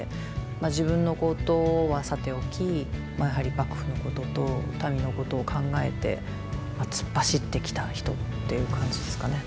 自分のことはさておきやはり幕府のことと民のことを考えて突っ走ってきた人っていう感じですかね。